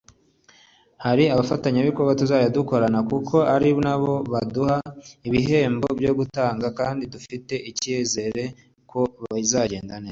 Hari abafatanyabikorwa tuzajya dukorana kuko ari nabo baduha ibihembo byo gutanga kandi dufite icyizere ko bizagenda neza